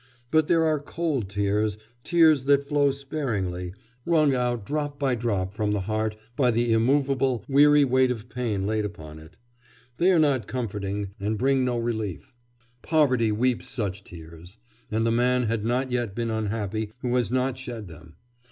... But there are cold tears, tears that flow sparingly, wrung out drop by drop from the heart by the immovable, weary weight of pain laid upon it: they are not comforting, and bring no relief. Poverty weeps such tears; and the man has not yet been unhappy who has not shed them.